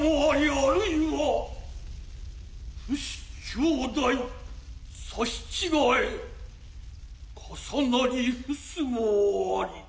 あるいは父子兄弟さし違へ重なり臥すもあり」。